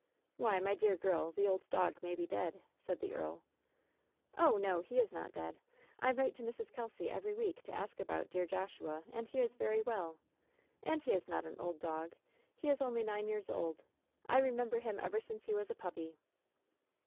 "Why, my dear girl, the old dog may be dead," said the earl. "Oh, no, he is not dead ! I write to Mrs. Kelsey every week to ask about dear Joshua, and he is very well. And he is not at all an old dog. He is only nine years old. I remember him ever since he was a puppy."